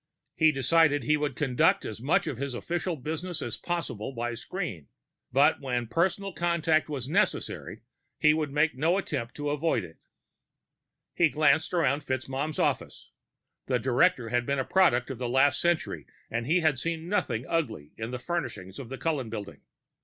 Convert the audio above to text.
He decided he would conduct as much of his official business as possible by screen; but when personal contact was necessary, he would make no attempt to avoid it. He glanced around FitzMaugham's office. The director had been a product of the last century, and he had seen nothing ugly in the furnishings of the Cullen Building.